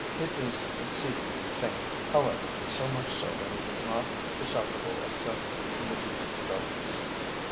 It is exceedingly faint, however, so much so that it is not perceptible except in the deepest darkness.